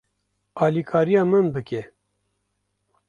Alîkariya min bike.